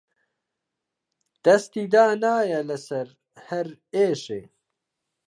دەستی دانایە لەسەر هەر ئێشێ